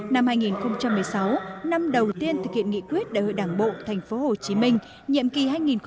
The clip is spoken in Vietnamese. năm hai nghìn một mươi sáu năm đầu tiên thực hiện nghị quyết đại hội đảng bộ tp hcm nhiệm kỳ hai nghìn hai mươi hai nghìn hai mươi